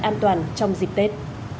an toàn trong dịp tết